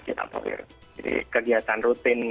jadi kegiatan rutin